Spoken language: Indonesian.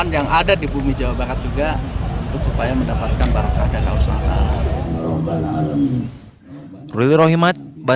yang ada di bumi jawa barat juga supaya mendapatkan barang kagak kagak usaha